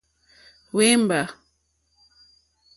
Wěmbà.